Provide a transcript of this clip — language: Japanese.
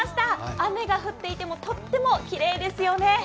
雨が降っていてもとってもきれいですよね。